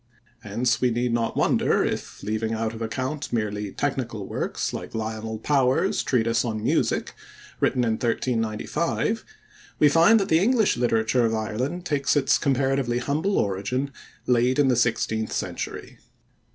Hence we need not wonder if, leaving out of account merely technical works like Lionel Power's treatise on music, written in 1395, we find that the English literature of Ireland takes its comparatively humble origin late in the sixteenth century.